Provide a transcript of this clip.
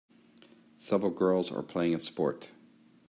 Several girls are playing a sport.